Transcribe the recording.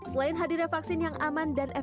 selain hadirat vaksin yang aman dan berharga